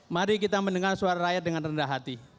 mari kita mendengar suara rakyat dengan rendah hati